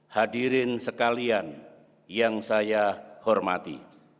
hadirin sekalian yang saya hormati